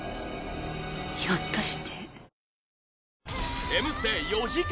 ひょっとして。